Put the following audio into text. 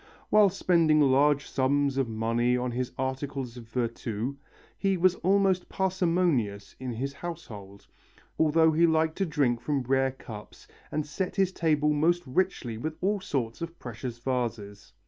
While spending large sums of money on his articles of virtu, he was almost parsimonious in his household, although he liked to drink from rare cups and set his table most richly with all sorts of precious vases.